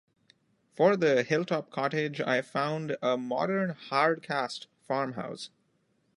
For the hilltop cottage I found a modern hard-cast farmhouse.